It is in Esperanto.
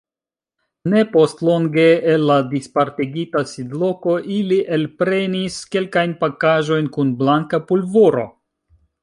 Ne postlonge el la dispartigita sidloko ili elprenis kelkajn pakaĵojn kun blanka pulvoro.